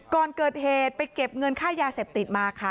ก่อนเกิดเหตุไปเก็บเงินค่ายาเสพติดมาค่ะ